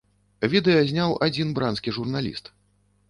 Відэа зняў адзін бранскі журналіст.